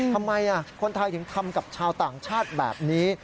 ทำไมคนไทยถึงทำกับชาวต่างชาติแบบนี้